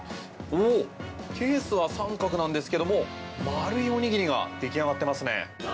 ケースは三角なんですけども丸いおにぎりが出来上がっていますね。